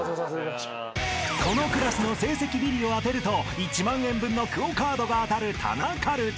［このクラスの成績ビリを当てると１万円分のＱＵＯカードが当たるタナカルチョ］